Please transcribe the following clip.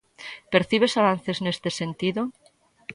Percibes avances neste sentido?